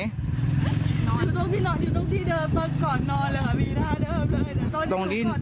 อยู่ตรงที่เดิมตอนก่อนนอนมีหน้าเดิมเลย